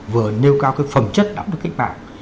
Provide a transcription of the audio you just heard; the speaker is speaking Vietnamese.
vừa nêu cao cái phẩm chất đẳng với cách mạng